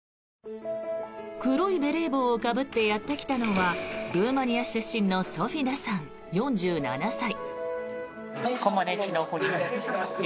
黒いベレー帽をかぶってやってきたのはルーマニア出身のソフィナさん４７歳。